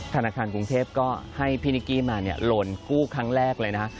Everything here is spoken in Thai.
ธนาคารกรุงเทพก็ให้พี่นิกกี้มาลนกู้ครั้งแรกเลยนะ